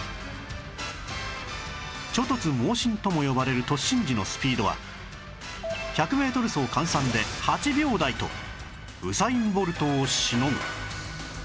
「猪突猛進」とも呼ばれる１００メートル走換算で８秒台とウサイン・ボルトをしのぐ